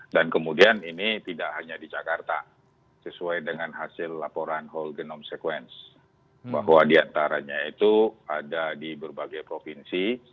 dan kemudian ini tidak hanya di jakarta sesuai dengan hasil laporan whole genome sequence bahwa diantaranya itu ada di berbagai provinsi